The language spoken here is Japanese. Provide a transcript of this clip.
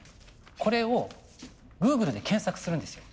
これをグーグルで検索するんですよ。